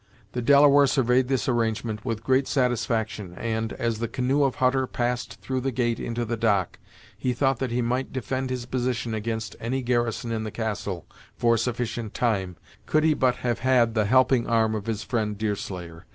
The Delaware surveyed this arrangement with great satisfaction and, as the canoe of Hutter passed through the gate into the dock, he thought that he might defend his position against any garrison in the castle, for a sufficient time, could he but have had the helping arm of his friend Deerslayer.